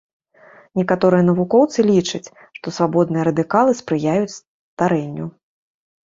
Некаторыя навукоўцы лічаць, што свабодныя радыкалы спрыяюць старэнню.